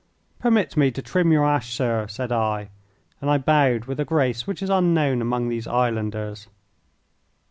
"Permit me to trim your ash, sir," said I, and I bowed with a grace which is unknown among these islanders.